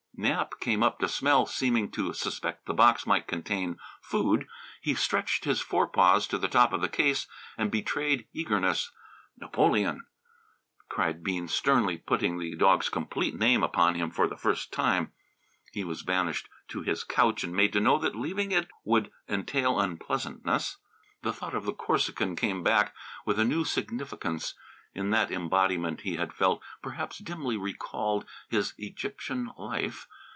Nap came up to smell, seeming to suspect that the box might contain food. He stretched his forepaws to the top of the case and betrayed eagerness. "Napoleon!" cried Bean sternly, putting the dog's complete name upon him for the first time. He was banished to his couch and made to know that leaving it would entail unpleasantness. The thought of the Corsican came back with a new significance. In that embodiment he had felt, perhaps dimly recalled, his Egyptian life.